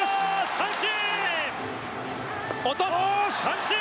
三振！